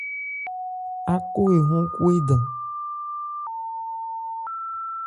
Áko ehɔ́n Khwédan.